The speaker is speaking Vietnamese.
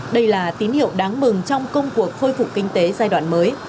đây là tín hiệu đáng mừng trong công cuộc khôi phục kinh tế giai đoạn mới